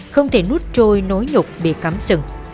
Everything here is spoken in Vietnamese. không thể nút trôi nối nhục bị cắm sừng